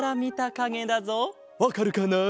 わかるかな？